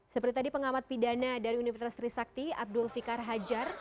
seperti tadi pengamat pidana dari universitas trisakti abdul fikar hajar